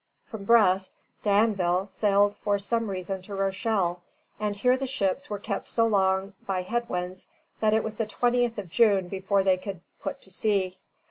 From Brest D'Anville sailed for some reason to Rochelle, and here the ships were kept so long by head winds that it was the 20th of June before they could put to sea.